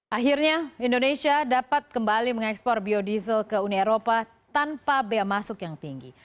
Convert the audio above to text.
akhirnya indonesia dapat kembali mengekspor biodiesel ke uni eropa tanpa bea masuk yang tinggi